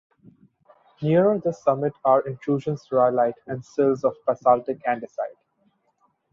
Nearer the summit are intrusions rhyolite and sills of basaltic andesite.